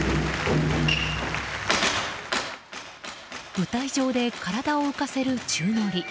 舞台上で体を浮かせる宙乗り。